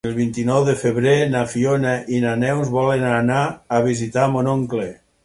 El vint-i-nou de febrer na Fiona i na Neus volen anar a visitar mon oncle.